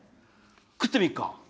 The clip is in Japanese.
食ってみっかって。